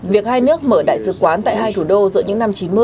việc hai nước mở đại sứ quán tại hai thủ đô giữa những năm chín mươi